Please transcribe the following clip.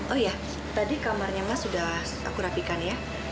oh iya tadi kamarnya mas sudah aku rapikan ya